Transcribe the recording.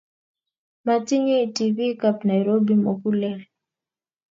Matinyei tibikab Nairobi mugulel